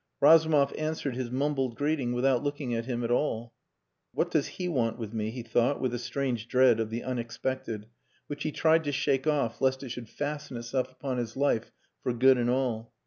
Razumov answered his mumbled greeting without looking at him at all. "What does he want with me?" he thought with a strange dread of the unexpected which he tried to shake off lest it should fasten itself upon his life for good and all.